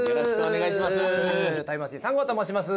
タイムマシーン３号と申します